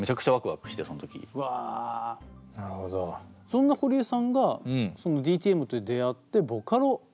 そんな堀江さんがＤＴＭと出会ってボカロ。